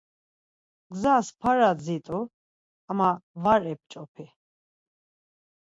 Gzas para dzit̆u ama var ep̌ç̌opi.